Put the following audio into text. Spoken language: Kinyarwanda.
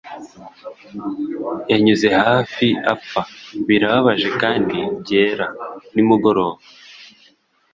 yanyuze hafi apfa, birababaje kandi byera, nimugoroba